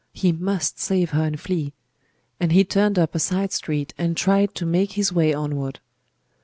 He must save her and flee. And he turned up a side street and tried to make his way onward.